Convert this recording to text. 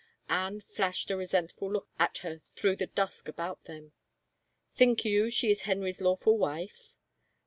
Anne flashed a resentful look at her through the dusk about them. " Think you she is Henry's lawful wife